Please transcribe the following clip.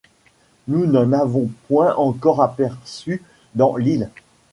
Nous n’en avons point encore aperçu dans l’île!...